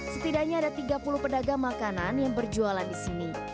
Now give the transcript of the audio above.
setidaknya ada tiga puluh pedagang makanan yang berjualan disini